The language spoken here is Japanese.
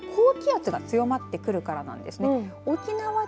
それも高気圧が強まってくるからなんですね。